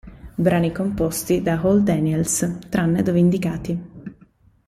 Brani composti da Hall Daniels, tranne dove indicati